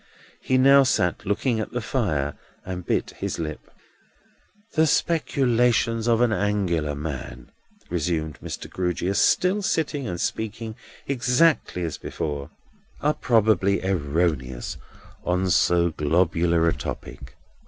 He now sat looking at the fire, and bit his lip. "The speculations of an Angular man," resumed Mr. Grewgious, still sitting and speaking exactly as before, "are probably erroneous on so globular a topic.